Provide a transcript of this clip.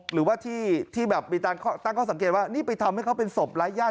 หรือว่าที่ท่านก็สังเกตว่านี่ไปทำให้เขาเป็นศพร้ายญาติ